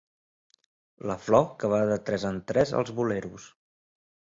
La flor que va de tres en tres als boleros.